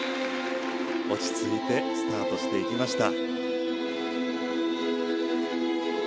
落ち着いてスタートしていきました。